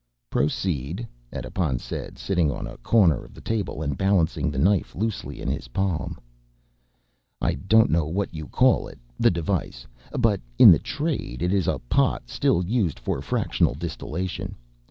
"Proceed," Edipon said, sitting on a corner of the table and balancing the knife loosely in his palm. "I don't know what you call it, the device, but in the trade it is a pot still used for fractional distillation.